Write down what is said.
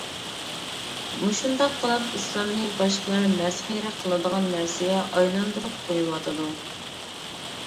مۇشۇنداق قىلىپ ئىسلامنى باشقىلار مەسخىرە قىلىدىغان نەرسىگە ئايلاندۇرۇپ قويۇۋاتىدۇ.